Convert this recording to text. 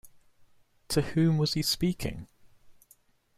To whom was he speaking?